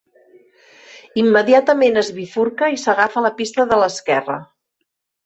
Immediatament es bifurca i s'agafa la pista de l'esquerra.